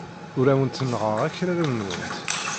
Ur awent-neɣɣeɣ akraren-nwent.